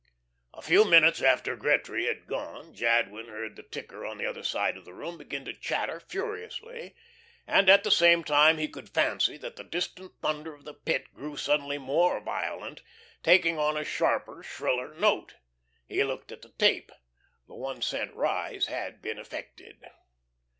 A few moments after Gretry had gone Jadwin heard the ticker on the other side of the room begin to chatter furiously; and at the same time he could fancy that the distant thunder of the Pit grew suddenly more violent, taking on a sharper, shriller note. He looked at the tape. The one cent rise had been effected.